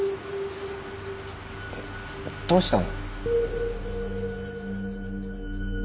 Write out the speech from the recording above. えどうしたの？